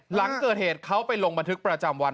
หลังเกิดเหตุเขาไปลงบันทึกประจำวัน